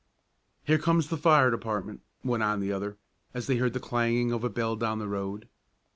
"Here comes the fire department," went on the other, as they heard the clanging of a bell down the road.